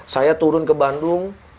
saya turun ke bandung